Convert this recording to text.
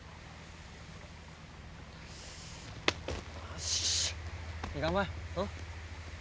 よし。